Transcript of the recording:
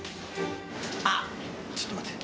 あっ、ちょっと待って。